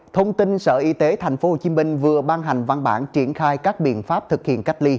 thông tin sở y tế tp hcm vừa ban hành văn bản triển khai các biện pháp thực hiện cách ly